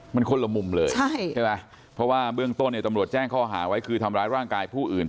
มันคนละมุมเลยใช่ไหมเพราะว่าเบื้องต้นเนี่ยตำรวจแจ้งข้อหาไว้คือทำร้ายร่างกายผู้อื่น